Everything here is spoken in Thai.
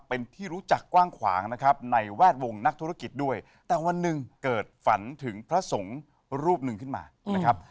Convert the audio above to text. เป็นที่รู้จักกว้างขวางนะครับในแวดวงนักธุรกิจด้วยแต่วันหนึ่งเกิดฝันถึงพระสงฆ์รูปหนึ่งขึ้นมานะครับ